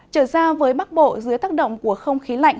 trở ra với bắc bộ dưới tác động của không khí lạnh